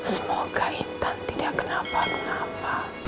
semoga intan tidak kenapa mengapa